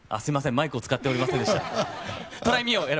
マイクを使っておりませんでした。